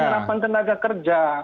tingkat penyerapan tenaga kerja